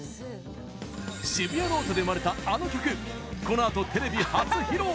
「シブヤノオト」で生まれたあの曲、このあとテレビ初披露！